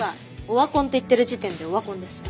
オワコンって言ってる時点でオワコンです。